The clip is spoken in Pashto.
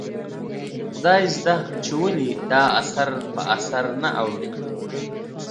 خدایزده چې ولې دا اثر په اثر نه اوړي ؟